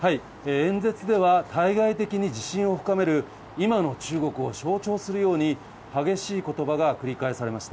演説では、対外的に自信を深める今の中国を象徴するように、激しいことばが繰り返されました。